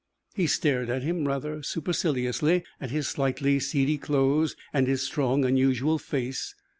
He stared at him rather superciliously, at his slightly seedy clothes and his strong, unusual face.